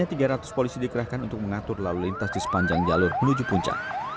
pada pagi hari ini tiga ratus polisi dikerahkan untuk mengatur lalu lintas di sepanjang jalur menuju puncak